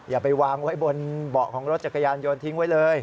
อย่าไปวางไว้บนเบาะของรถจักรยานยนต์ทิ้งไว้เลย